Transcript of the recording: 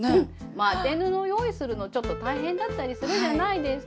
まぁ当て布用意するのちょっと大変だったりするじゃないですか。